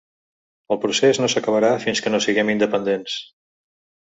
El procés no s’acabarà fins que no siguem independents.